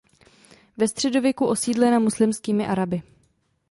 Ve středověku osídlena muslimskými Araby.